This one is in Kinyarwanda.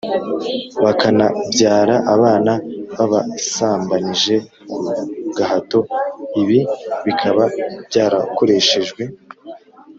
bakanabyara abana b ababasambanije ku gahato Ibi bikaba byarakoreshejwe